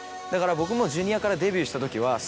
だから僕もＪｒ．からデビューしたときは。